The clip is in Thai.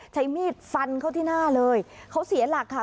ใช้มีดฟันเข้าที่หน้าเลยเขาเสียหลักค่ะ